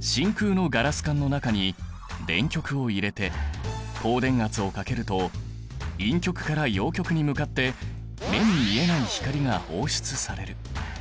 真空のガラス管の中に電極を入れて高電圧をかけると陰極から陽極に向かって目に見えない光が放出される。